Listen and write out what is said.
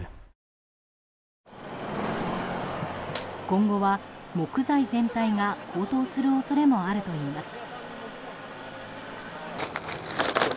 今後は木材全体が高騰する恐れもあるといいます。